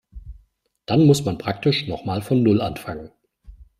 Dann muss man praktisch noch mal von Null anfangen.